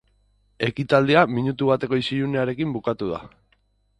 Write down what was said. Ekitaldia minutu bateko isilunearekin bukatu da.